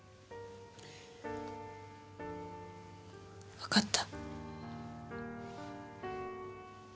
わかった。